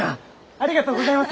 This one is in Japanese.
ありがとうございます！